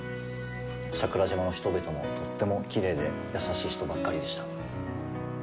桜島の人々も、とってもきれいで、優しい人ばっかりでした。